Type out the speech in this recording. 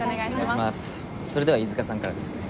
それでは飯塚さんからですね。